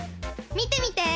みてみて！